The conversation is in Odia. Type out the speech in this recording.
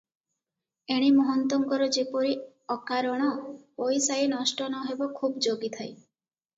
ଏଣେ ମହନ୍ତଙ୍କର ଯେପରି ଅକାରଣ ପଇସାଏ ନଷ୍ଟ ନ ହେବ ଖୁବ୍ ଜଗିଥାଏ ।